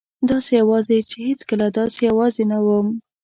داسې یوازې چې هېڅکله داسې یوازې نه وم.